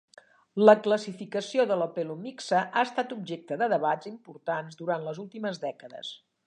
La classificació de "pelomyxa" ha estat objecte de debats importants durant les últimes dècades.